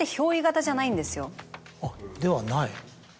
あっではない？